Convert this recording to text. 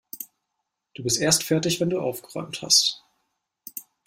Du bist erst fertig, wenn du aufgeräumt hast.